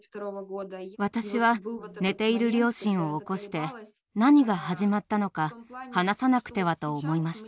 私は寝ている両親を起こして何が始まったのか話さなくてはと思いました。